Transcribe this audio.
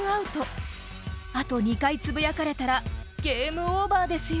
［あと２回つぶやかれたらゲームオーバーですよ］